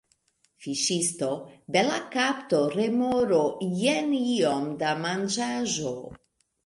Fiŝisto: "Bela kapto, remoro. Jen iom da manĝaĵo."